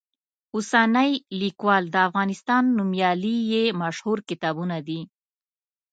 اوسنی لیکوال، د افغانستان نومیالي یې مشهور کتابونه دي.